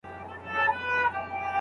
بیا یې نه تکراروې.